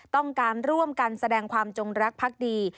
ต้องการร่วมกันแสดงความจงรักพักดี